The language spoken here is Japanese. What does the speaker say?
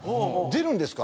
「出るんですか？」